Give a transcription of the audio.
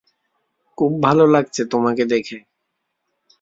খুব ভাল লাগছে তোমাকে দেখে।